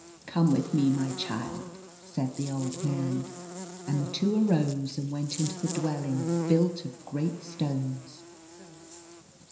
" Come with me, my child," said the old man ; and the two arose, and went into the dwelling built of great stones.